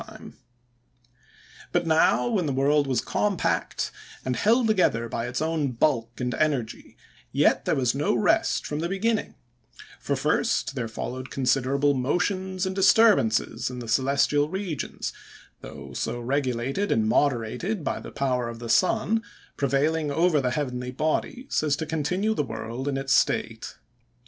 But now, when the world was compact, and held together by its own bulk and energy, yet there was no rest from the beginning; for first, there followed considerable motions and disturbances in the celestial regions, though so regulated and moderated by the power of the Sun, prevailing over the heavenly bodies, as to continue the world in its state.